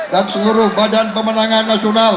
seluruh badan pemenangan nasional